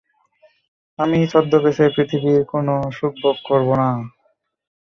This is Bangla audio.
আমি ছদ্মবেশে পৃথিবীর কোনো সুখভোগ করব না।